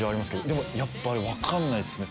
でもやっぱり分かんないですね。